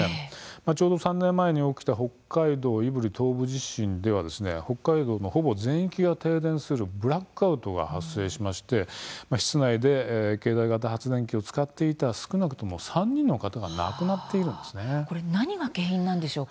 ちょうど３年前に起きた北海道胆振東部地震では北海道のほぼ全域が停電するブラックアウトが発生しまして室内で携帯型発電機を使っていた少なくとも３人の方が何が原因ですか。